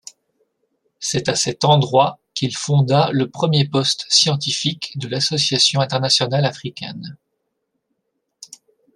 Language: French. C'est à cet endroit qu'il fonda le premier poste scientifique de l'Association Internationale Africaine.